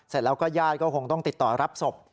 เสร็จแล้วก็ญาติก็คงต้องติดต่อรับศพ